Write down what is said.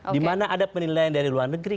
dimana ada penilaian dari luar negara